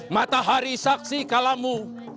matahari saksi kalamu